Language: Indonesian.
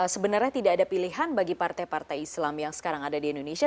sebenarnya tidak ada pilihan bagi partai partai islam yang sekarang ada di indonesia